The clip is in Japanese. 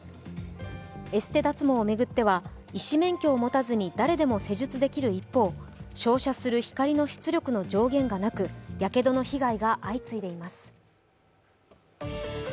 エステ脱毛を巡っては医師免許を持たずに誰でも施術できる一方、照射する光の出力の上限がなく、やけどの被害が相次いでいます。